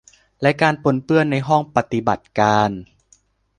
และการปนเปื้อนในห้องปฏิบัติการ